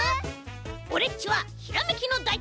オレっちはひらめきのだいてんさい！